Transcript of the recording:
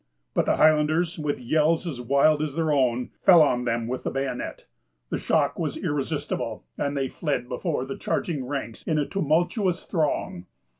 But the Highlanders, with yells as wild as their own, fell on them with the bayonet. The shock was irresistible, and they fled before the charging ranks in a tumultuous throng.